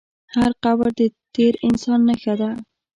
هر قبر د تېر انسان نښه ده.